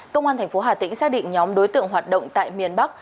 công an tp hà tĩnh xác định nhóm đối tượng hoạt động tại miền bắc